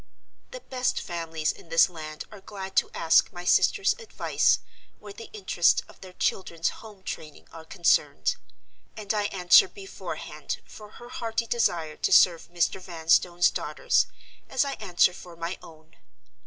The best families in this land are glad to ask my sister's advice where the interests of their children's home training are concerned; and I answer, beforehand, for her hearty desire to serve Mr. Vanstone's daughters, as I answer for my own.